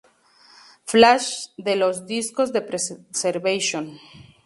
Flash de los discos de "Preservation".